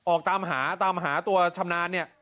ออกตามหาตามหาตัวชำนาญเนี่ย